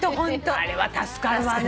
あれは助かるわね。